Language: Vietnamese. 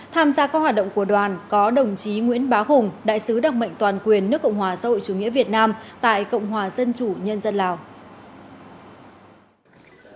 tham gia các hoạt động của đoàn có đồng chí nguyễn bá hùng đại sứ đặc mệnh toàn quyền nước cộng hòa xã hội chủ nghĩa việt nam tại cộng hòa dân chủ nhân dân lào